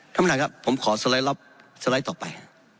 ท่านประธานครับผมขอสไลด์ต่อไป